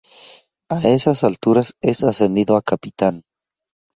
A esas alturas es ascendido a capitán.